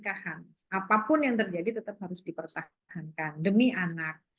apapun yang terjadi tetap harus dipertahankan demi anak